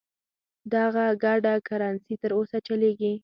دغه ګډه کرنسي تر اوسه چلیږي.